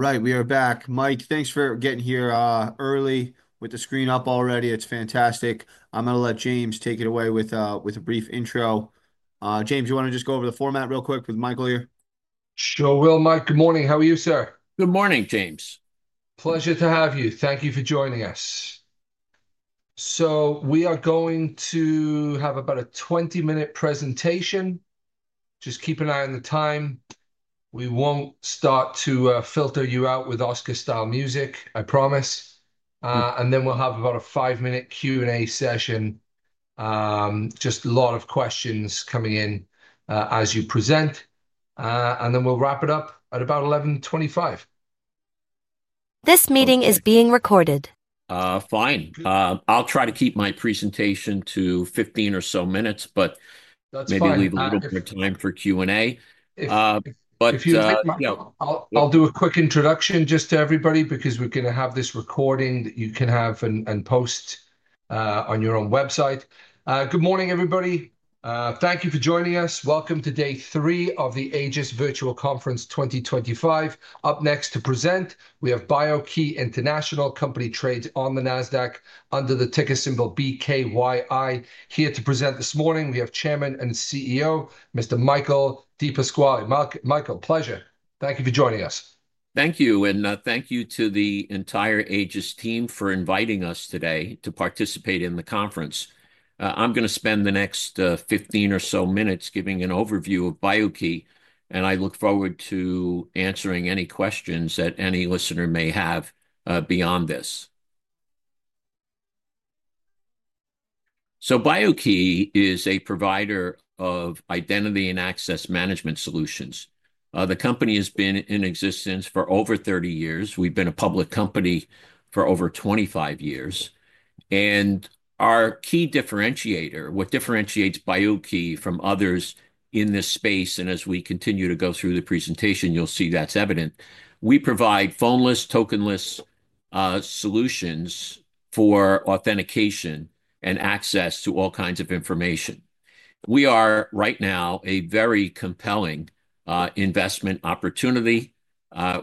Right, we are back. Mike, thanks for getting here early with the screen up already. It's fantastic. I'm going to let James take it away with a brief intro. James, you want to just go over the format real quick with Michael here? Sure will, Mike. Good morning. How are you, sir? Good morning, James. Pleasure to have you. Thank you for joining us. We are going to have about a 20-minute presentation. Just keep an eye on the time. We will not start to filter you out with Oscar-style music, I promise. Then we will have about a five-minute Q&A session. Just a lot of questions coming in as you present. Then we will wrap it up at about 11:25. This meeting is being recorded. Fine. I'll try to keep my presentation to 15 or so minutes, but maybe leave a little bit of time for Q&A. You know, I'll do a quick introduction just to everybody because we're going to have this recording that you can have and post on your own website. Good morning, everybody. Thank you for joining us. Welcome to day three of the Aegis Virtual Conference 2025. Up next to present, we have BIO-key International, company trades on the Nasdaq under the ticker symbol BKYI. Here to present this morning, we have Chairman and CEO, Mr. Michael DePasquale. Michael, pleasure. Thank you for joining us. Thank you. Thank you to the entire Aegis team for inviting us today to participate in the conference. I'm going to spend the next 15 or so minutes giving an overview of BIO-key, and I look forward to answering any questions that any listener may have beyond this. BIO-key is a provider of identity and access management solutions. The company has been in existence for over 30 years. We've been a public company for over 25 years. Our key differentiator, what differentiates BIO-key from others in this space, and as we continue to go through the presentation, you'll see that's evident, we provide phone-less, token-less solutions for authentication and access to all kinds of information. We are right now a very compelling investment opportunity.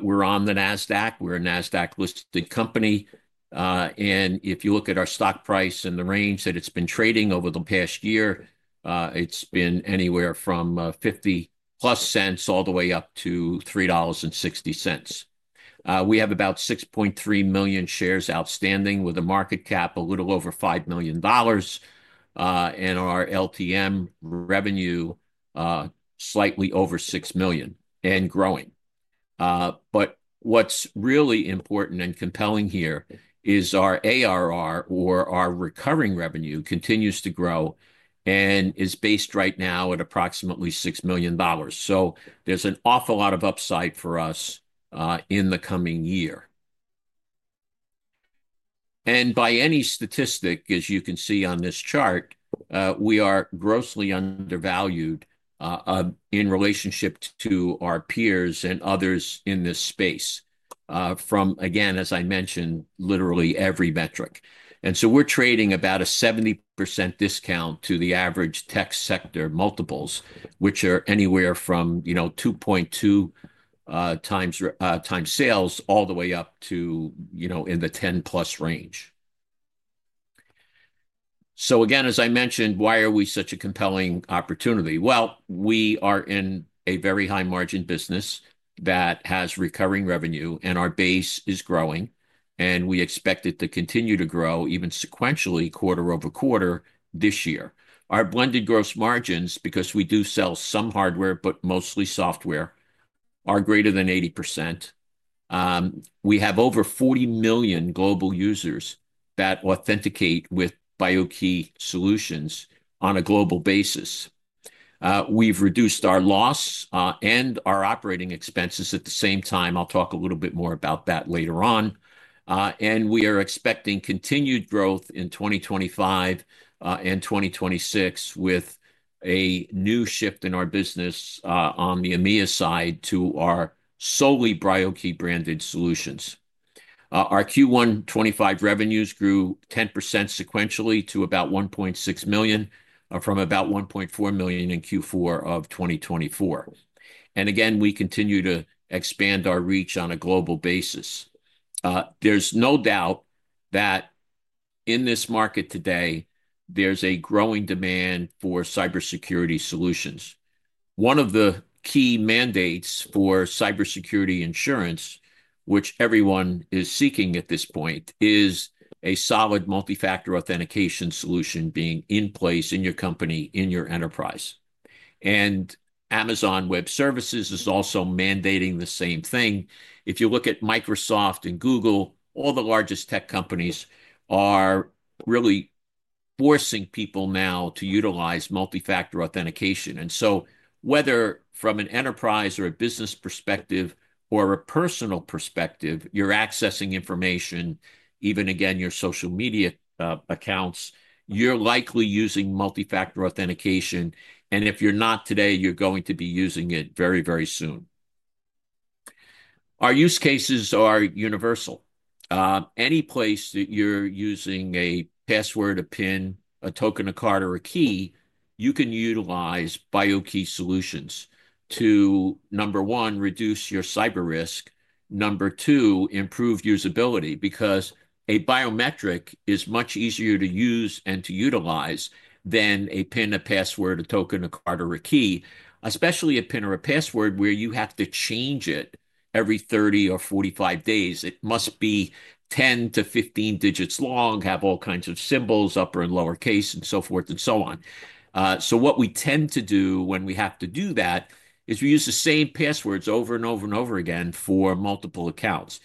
We're on the Nasdaq. We're a Nasdaq-listed company. and if you look at our stock price and the range that it's been trading over the past year, it's been anywhere from $0.50-plus all the way up to $3.60. we have about 6.3 million shares outstanding with a market cap a little over $5 million, and our LTM revenue, slightly over $6 million and growing. but what's really important and compelling here is our ARR, or our recurring revenue, continues to grow and is based right now at approximately $6 million. So there's an awful lot of upside for us, in the coming year. And by any statistic, as you can see on this chart, we are grossly undervalued, in relationship to our peers and others in this space, from, again, as I mentioned, literally every metric. We're trading at about a 70% discount to the average tech sector multiples, which are anywhere from, you know, 2.2 times sales all the way up to, you know, in the 10-plus range. As I mentioned, why are we such a compelling opportunity? We are in a very high margin business that has recurring revenue and our base is growing, and we expect it to continue to grow even sequentially quarter over quarter this year. Our blended gross margins, because we do sell some hardware but mostly software, are greater than 80%. We have over 40 million global users that authenticate with BIO-key solutions on a global basis. We've reduced our loss and our operating expenses at the same time. I'll talk a little bit more about that later on. We are expecting continued growth in 2025 and 2026 with a new shift in our business on the EMEA side to our solely BIO-key branded solutions. Our Q1 2025 revenues grew 10% sequentially to about $1.6 million from about $1.4 million in Q4 2024. Again, we continue to expand our reach on a global basis. There is no doubt that in this market today, there is a growing demand for cybersecurity solutions. One of the key mandates for cybersecurity insurance, which everyone is seeking at this point, is a solid multi-factor authentication solution being in place in your company, in your enterprise. Amazon Web Services is also mandating the same thing. If you look at Microsoft and Google, all the largest tech companies are really forcing people now to utilize multi-factor authentication. Whether from an enterprise or a business perspective or a personal perspective, you're accessing information, even again, your social media accounts, you're likely using multi-factor authentication. If you're not today, you're going to be using it very, very soon. Our use cases are universal. Any place that you're using a password, a PIN, a token, a card, or a key, you can utilize BIO-key solutions to, number one, reduce your cyber risk. Number two, improve usability because a biometric is much easier to use and to utilize than a PIN, a password, a token, a card, or a key, especially a PIN or a password where you have to change it every 30 or 45 days. It must be 10-15 digits long, have all kinds of symbols, upper and lower case, and so forth and so on. What we tend to do when we have to do that is we use the same passwords over and over and over again for multiple accounts.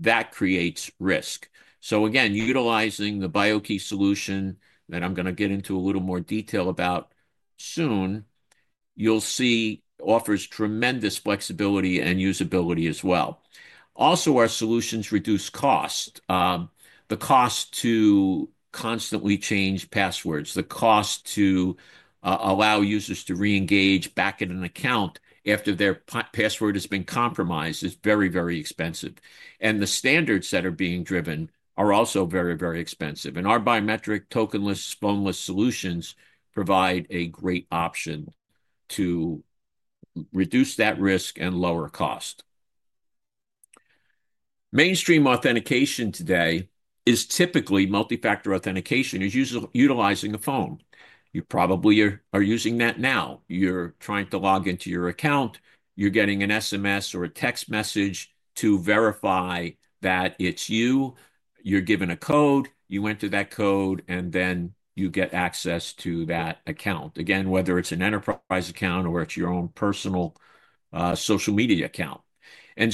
That creates risk. Again, utilizing the BIO-key solution that I'm going to get into a little more detail about soon, you'll see offers tremendous flexibility and usability as well. Also, our solutions reduce cost, the cost to constantly change passwords, the cost to allow users to re-engage back in an account after their password has been compromised is very, very expensive. The standards that are being driven are also very, very expensive. Our biometric, tokenless, phone-less solutions provide a great option to reduce that risk and lower cost. Mainstream authentication today is typically multi-factor authentication utilizing a phone. You probably are using that now. You're trying to log into your account. You're getting an SMS or a text message to verify that it's you. You're given a code. You enter that code and then you get access to that account. Again, whether it's an enterprise account or it's your own personal, social media account. You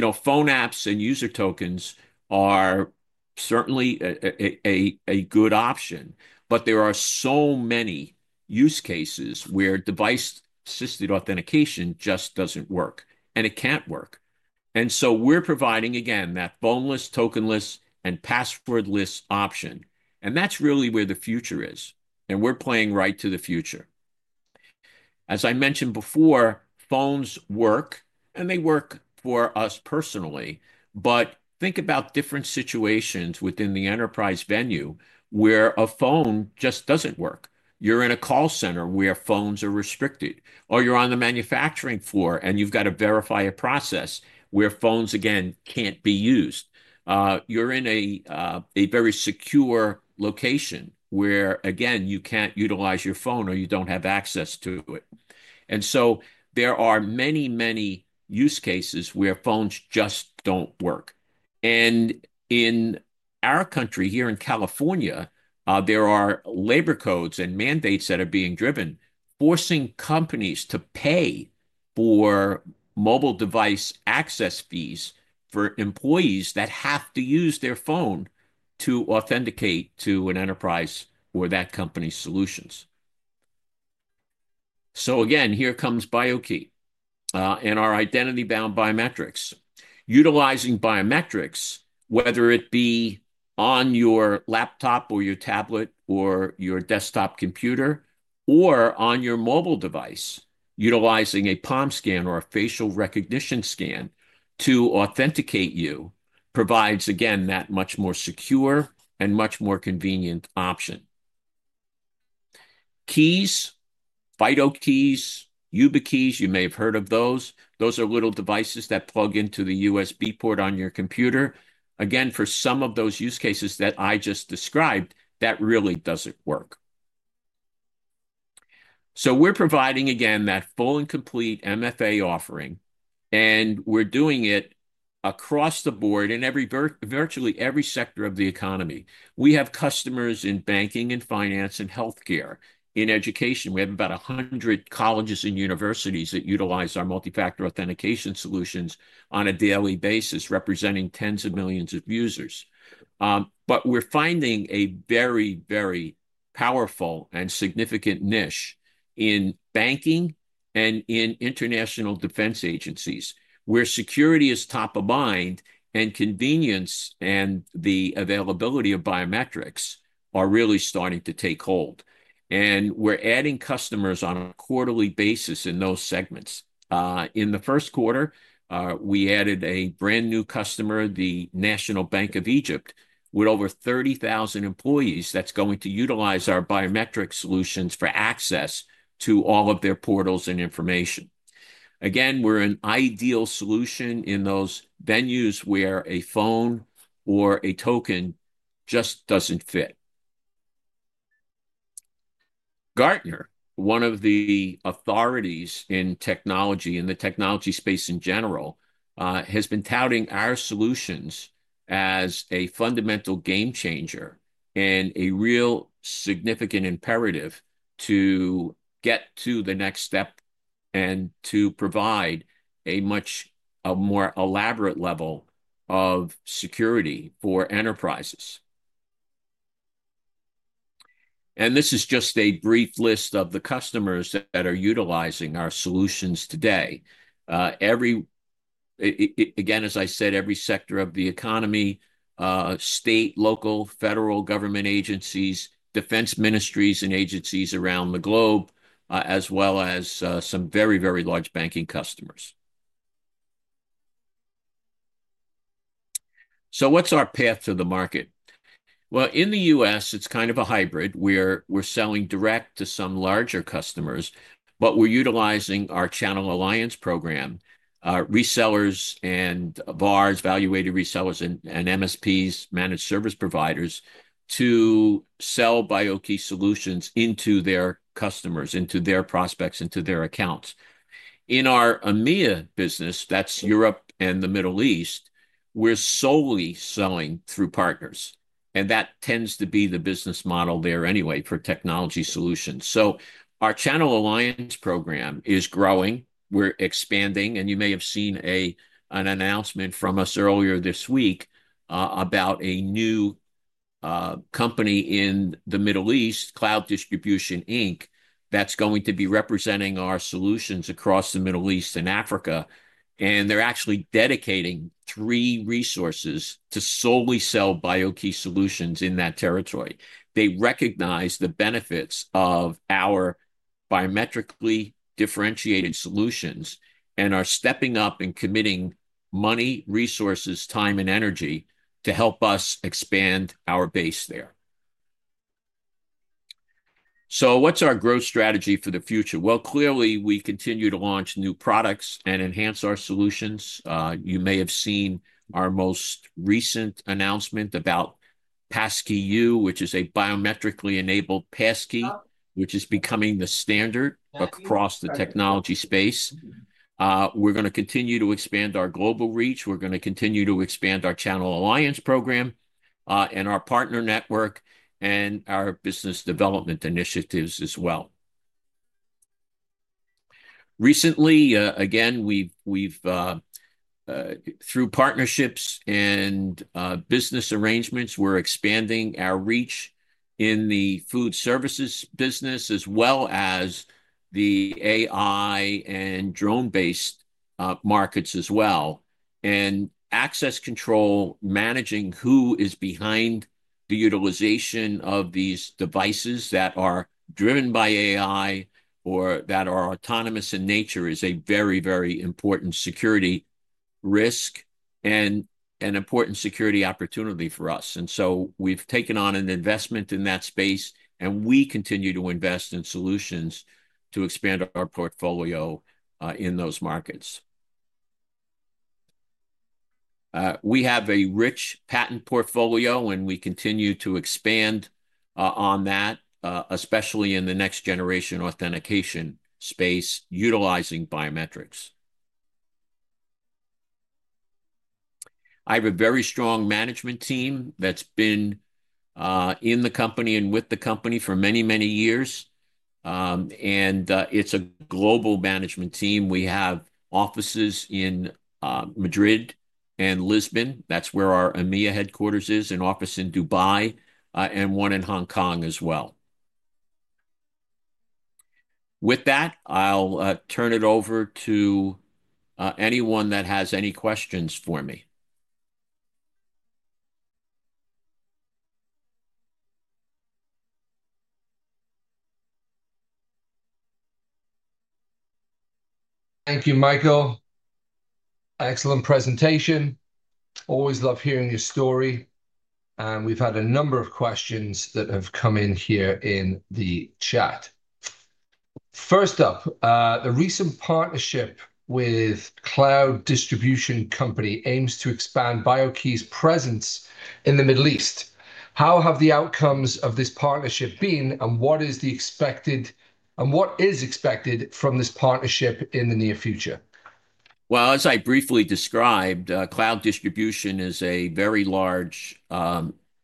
know, phone apps and user tokens are certainly a good option, but there are so many use cases where device-assisted authentication just doesn't work and it can't work. We're providing, again, that phone-less, tokenless, and password-less option. That's really where the future is. We're playing right to the future. As I mentioned before, phones work and they work for us personally, but think about different situations within the enterprise venue where a phone just doesn't work. You're in a call center where phones are restricted, or you're on the manufacturing floor and you've got to verify a process where phones, again, can't be used. You're in a very secure location where, again, you can't utilize your phone or you don't have access to it. There are many, many use cases where phones just don't work. In our country here in California, there are labor codes and mandates that are being driven, forcing companies to pay for mobile device access fees for employees that have to use their phone to authenticate to an enterprise or that company's solutions. Here comes BIO-key, and our identity-bound biometrics. Utilizing biometrics, whether it be on your laptop or your tablet or your desktop computer or on your mobile device, utilizing a palm scan or a facial recognition scan to authenticate you provides, again, that much more secure and much more convenient option. Keys, FIDO keys, YubiKeys, you may have heard of those. Those are little devices that plug into the USB port on your computer. Again, for some of those use cases that I just described, that really doesn't work. We are providing, again, that full and complete MFA offering, and we are doing it across the board in every, virtually every sector of the economy. We have customers in banking and finance and healthcare. In education, we have about 100 colleges and universities that utilize our multi-factor authentication solutions on a daily basis, representing tens of millions of users. We're finding a very, very powerful and significant niche in banking and in international defense agencies where security is top of mind and convenience and the availability of biometrics are really starting to take hold. We're adding customers on a quarterly basis in those segments. In the first quarter, we added a brand new customer, the National Bank of Egypt, with over 30,000 employees that's going to utilize our biometric solutions for access to all of their portals and information. Again, we're an ideal solution in those venues where a phone or a token just doesn't fit. Gartner, one of the authorities in technology and the technology space in general, has been touting our solutions as a fundamental game changer and a real significant imperative to get to the next step and to provide a much, a more elaborate level of security for enterprises. This is just a brief list of the customers that are utilizing our solutions today. Every, again, as I said, every sector of the economy, state, local, federal government agencies, defense ministries and agencies around the globe, as well as some very, very large banking customers. What is our path to the market? In the U.S., it is kind of a hybrid where we are selling direct to some larger customers, but we are utilizing our channel alliance program, resellers and VARs, value-added resellers and MSPs, managed service providers to sell BIO-key solutions into their customers, into their prospects, into their accounts. In our EMEA business, that is Europe and the Middle East, we are solely selling through partners. That tends to be the business model there anyway for technology solutions. Our channel alliance program is growing. We are expanding. You may have seen an announcement from us earlier this week about a new company in the Middle East, Cloud Distribution Inc., that's going to be representing our solutions across the Middle East and Africa. They're actually dedicating three resources to solely sell BIO-key solutions in that territory. They recognize the benefits of our biometrically differentiated solutions and are stepping up and committing money, resources, time, and energy to help us expand our base there. What's our growth strategy for the future? Clearly, we've continued to launch new products and enhance our solutions. You may have seen our most recent announcement about Passkey:YOU, which is a biometrically enabled passkey, which is becoming the standard across the technology space. We're going to continue to expand our global reach. We're going to continue to expand our channel alliance program, and our partner network and our business development initiatives as well. Recently, again, we've, through partnerships and business arrangements, we're expanding our reach in the food services business as well as the AI and drone-based markets as well. Access control, managing who is behind the utilization of these devices that are driven by AI or that are autonomous in nature, is a very, very important security risk and an important security opportunity for us. We have taken on an investment in that space and we continue to invest in solutions to expand our portfolio in those markets. We have a rich patent portfolio and we continue to expand on that, especially in the next generation authentication space utilizing biometrics. I have a very strong management team that's been in the company and with the company for many, many years, and it's a global management team. We have offices in Madrid and Lisbon. That's where our EMEA headquarters is, an office in Dubai, and one in Hong Kong as well. With that, I'll turn it over to anyone that has any questions for me. Thank you, Michael. Excellent presentation. Always love hearing your story. We've had a number of questions that have come in here in the chat. First up, the recent partnership with Cloud Distribution Co. aims to expand BIO-key's presence in the Middle East. How have the outcomes of this partnership been and what is expected from this partnership in the near future? As I briefly described, Cloud Distribution is a very large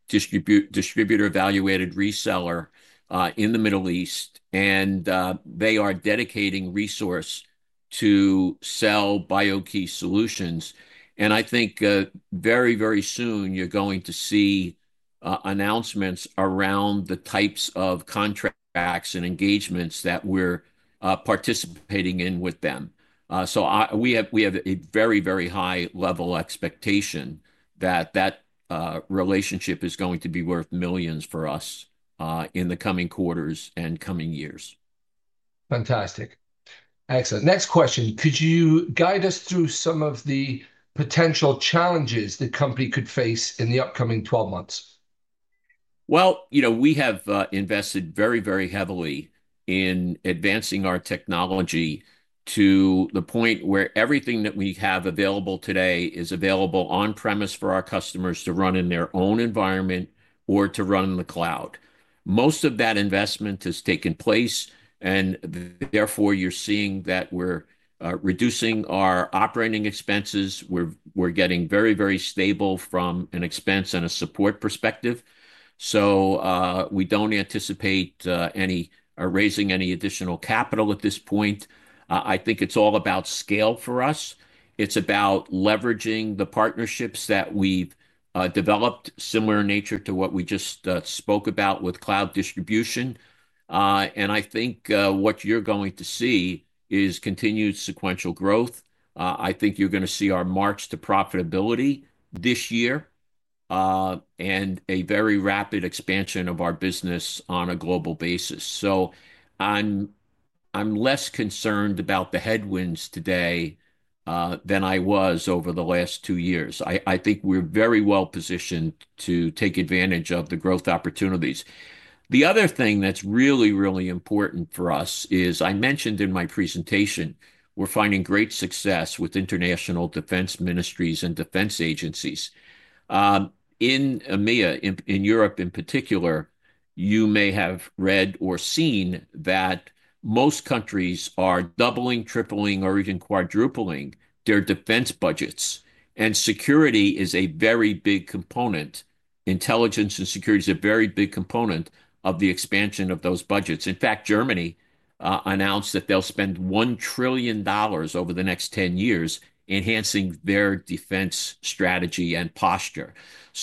distributor, distributor-valuated reseller in the Middle East, and they are dedicating resources to sell BIO-key solutions. I think very, very soon you're going to see announcements around the types of contracts and engagements that we're participating in with them. We have a very, very high level expectation that that relationship is going to be worth millions for us in the coming quarters and coming years. Fantastic. Excellent. Next question. Could you guide us through some of the potential challenges the company could face in the upcoming 12 months? You know, we have invested very, very heavily in advancing our technology to the point where everything that we have available today is available on-premise for our customers to run in their own environment or to run in the cloud. Most of that investment has taken place and therefore you're seeing that we're reducing our operating expenses. We're getting very, very stable from an expense and a support perspective. We don't anticipate raising any additional capital at this point. I think it's all about scale for us. It's about leveraging the partnerships that we've developed, similar in nature to what we just spoke about with Cloud Distribution. I think what you're going to see is continued sequential growth. I think you're going to see our marks to profitability this year, and a very rapid expansion of our business on a global basis. I'm less concerned about the headwinds today than I was over the last two years. I think we're very well positioned to take advantage of the growth opportunities. The other thing that's really, really important for us is I mentioned in my presentation, we're finding great success with international defense ministries and defense agencies. In EMEA, in Europe in particular, you may have read or seen that most countries are doubling, tripling, or even quadrupling their defense budgets. Security is a very big component. Intelligence and security is a very big component of the expansion of those budgets. In fact, Germany announced that they'll spend $1 trillion over the next 10 years enhancing their defense strategy and posture.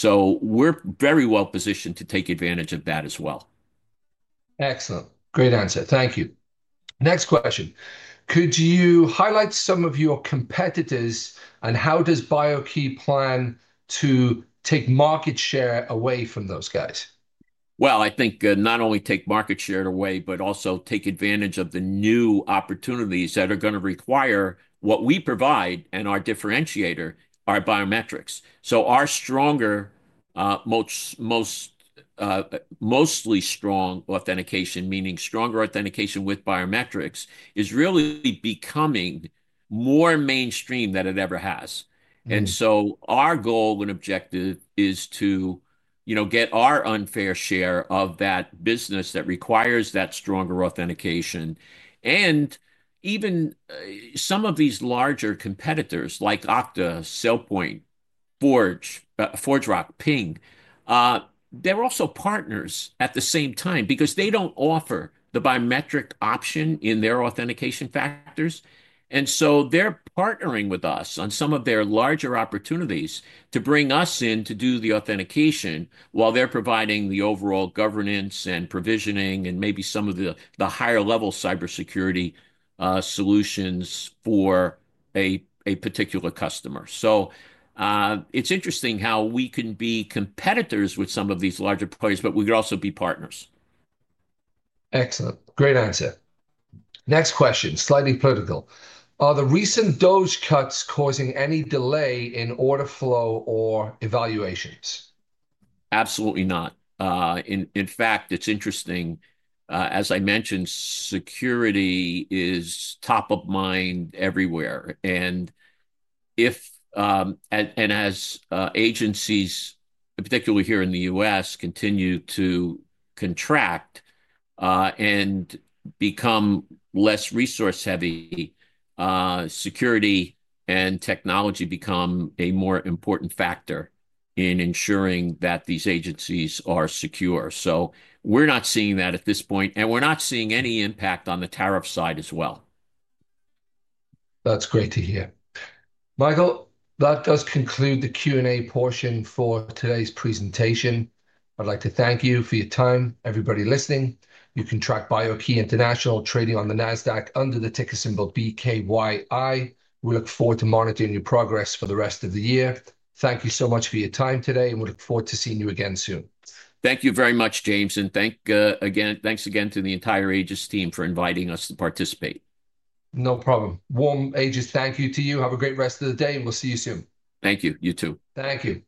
We are very well positioned to take advantage of that as well. Excellent. Great answer. Thank you. Next question. Could you highlight some of your competitors and how does BIO-key plan to take market share away from those guys? I think, not only take market share away, but also take advantage of the new opportunities that are going to require what we provide and our differentiator, our biometrics. Our stronger, mostly strong authentication, meaning stronger authentication with biometrics, is really becoming more mainstream than it ever has. Our goal and objective is to, you know, get our unfair share of that business that requires that stronger authentication. Even some of these larger competitors like Okta, SailPoint, ForgeRock, Ping, they're also partners at the same time because they don't offer the biometric option in their authentication factors. They're partnering with us on some of their larger opportunities to bring us in to do the authentication while they're providing the overall governance and provisioning and maybe some of the higher level cybersecurity solutions for a particular customer. It's interesting how we can be competitors with some of these larger players, but we could also be partners. Excellent. Great answer. Next question, slightly political. Are the recent DOJ cuts causing any delay in order flow or evaluations? Absolutely not. In fact, it's interesting, as I mentioned, security is top of mind everywhere. And as agencies, particularly here in the U.S., continue to contract and become less resource heavy, security and technology become a more important factor in ensuring that these agencies are secure. We're not seeing that at this point, and we're not seeing any impact on the tariff side as well. That's great to hear. Michael, that does conclude the Q&A portion for today's presentation. I'd like to thank you for your time, everybody listening. You can track BIO-key International trading on the Nasdaq under the ticker symbol BKYI. We look forward to monitoring your progress for the rest of the year. Thank you so much for your time today, and we look forward to seeing you again soon. Thank you very much, James. Thank you again to the entire Aegis team for inviting us to participate. No problem. Warm Aegis thank you to you. Have a great rest of the day, and we'll see you soon. Thank you. You too. Thank you.